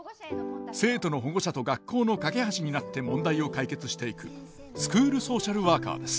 生徒の保護者と学校の架け橋になって問題を解決していくスクールソーシャルワーカーです。